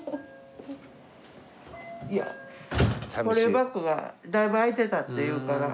保冷バッグがだいぶ空いてたっていうから。